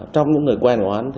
trong những người quen của hắn